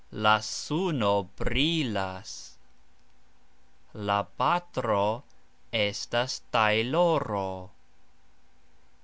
La suno brilas. La patro estas tajloro.